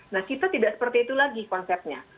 nah kita tidak seperti itu lagi konsepnya